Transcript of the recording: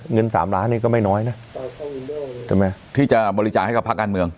เงิน๓ล้านนี่ก็ไม่น้อยนะใช่ไหมที่จะบริจาคให้กับภาคการเมือง